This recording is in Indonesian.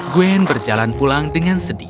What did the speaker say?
gwen berjalan pulang dengan sedih